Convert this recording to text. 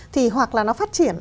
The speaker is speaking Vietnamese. thì hoặc là nó phát triển